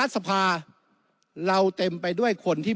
วุฒิสภาจะเขียนไว้ในข้อที่๓๐